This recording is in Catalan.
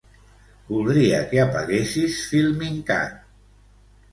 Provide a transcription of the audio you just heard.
Voldria que apaguessis FilminCAT.